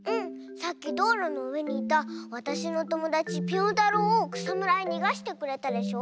さっきどうろのうえにいたわたしのともだちぴょんたろうをくさむらににがしてくれたでしょ。